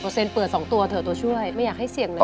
๘๐เปอร์เซ็นต์เปิด๒ตัวเถอะตัวช่วยไม่อยากให้เสี่ยงเลยครับ